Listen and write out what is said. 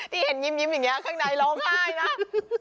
เห็นยิ้มอย่างนี้ข้างในร้องไห้นะ